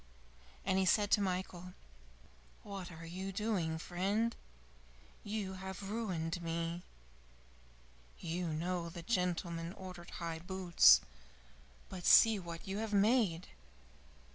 And he said to Michael, "What are you doing, friend? You have ruined me! You know the gentleman ordered high boots, but see what you have made!"